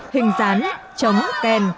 hình rán chấm kèn